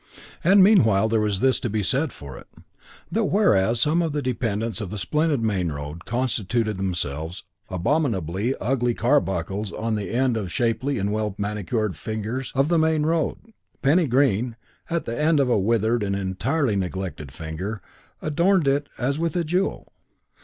And meanwhile there was this to be said for it: that whereas some of the dependents of the splendid main road constituted themselves abominably ugly carbuncles on the end of shapely and well manicured fingers of the main road, Penny Green, at the end of a withered and entirely neglected finger, adorned it as with a jewel.